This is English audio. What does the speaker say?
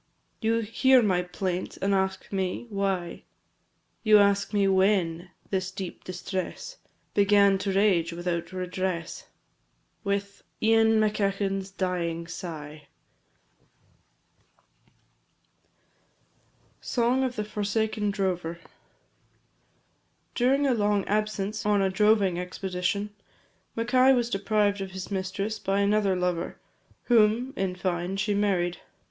You hear my plaint, and ask me, why? You ask me when this deep distress Began to rage without redress? "With Ian Macechan's dying sigh!" "Poems," p. 318. THE SONG OF THE FORSAKEN DROVER. During a long absence on a droving expedition, Mackay was deprived of his mistress by another lover, whom, in fine, she married.